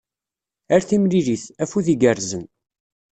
Ar timlilit, afud igerrzen.